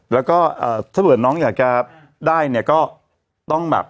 แล้วก็ถ้าเกิดน้องอยากจะได้เนี่ยก็ต้องแบบ